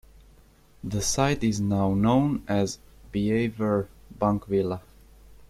The site is now known as Beaver Bank Villa.